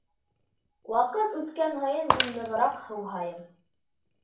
Ваҡыт үткән һайын мин нығыраҡ һыуһайым.